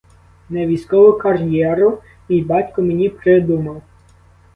Не військову кар'єру мій батько мені придумав.